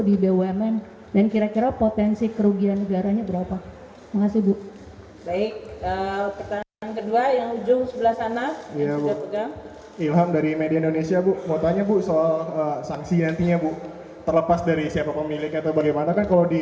terakhir ya oke silahkan